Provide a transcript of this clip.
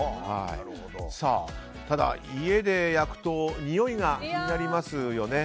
ただ、家で焼くとにおいが気になりますよね。